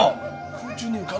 空中に浮かぶんだ。